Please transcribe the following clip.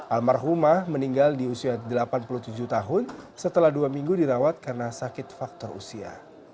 almarhumah meninggal di usia delapan puluh tujuh tahun setelah dua minggu dirawat karena sakit faktor usia